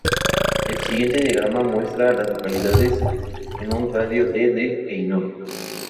El siguiente diagrama muestra a las localidades en un radio de de Benoit.